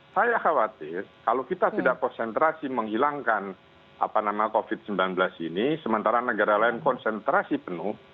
saya khawatir kalau kita tidak konsentrasi menghilangkan covid sembilan belas ini sementara negara lain konsentrasi penuh